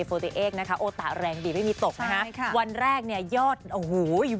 โอ๊ต่าแรงดีไม่มีตกนะฮะวันแรกหยอดโอ้หูววววว